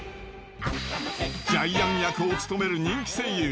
ジャイアン役を務める人気声優。